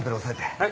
はい。